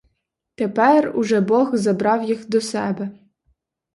Тепер уже бог забрав їх до себе.